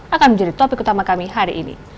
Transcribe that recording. akan menjadi topik utama kami hari ini